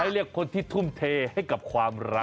เรียกคนที่ทุ่มเทให้กับความรัก